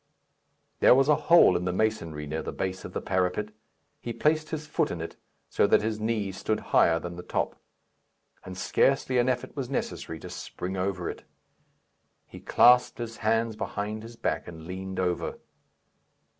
There was a hole in the masonry near the base of the parapet; he placed his foot in it, so that his knee stood higher than the top, and scarcely an effort was necessary to spring over it. He clasped his hands behind his back and leaned over.